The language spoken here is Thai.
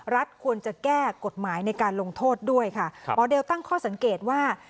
รัฐควรจะแก้กฎหมายในการลงโทษด้วยค่ะหมอเดลตั้งข้อสังเกตว่า